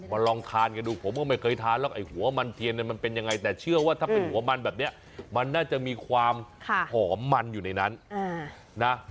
ลองทานกันดูผมก็ไม่เคยทานหรอกไอ้หัวมันเทียนเนี่ยมันเป็นยังไงแต่เชื่อว่าถ้าเป็นหัวมันแบบนี้มันน่าจะมีความหอมมันอยู่ในนั้นนะ